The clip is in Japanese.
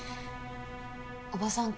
おばさん